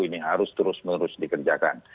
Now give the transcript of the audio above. ini harus terus menerus dikerjakan